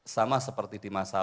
sama seperti di masa